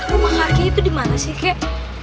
rumah kakek itu dimana sih kek